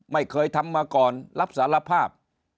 ไม่เคยทำมาก่อนรับสารภาพ